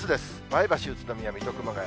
前橋、宇都宮、水戸、熊谷。